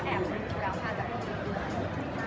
พี่แม่ที่เว้นได้รับความรู้สึกมากกว่า